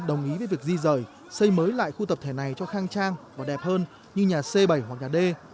nhưng khi các nhà đầu tư đi rời xây mới lại khu tập thể này cho khang trang và đẹp hơn như nhà c bảy hoặc nhà d